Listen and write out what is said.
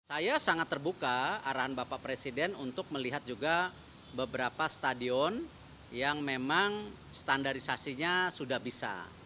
saya sangat terbuka arahan bapak presiden untuk melihat juga beberapa stadion yang memang standarisasinya sudah bisa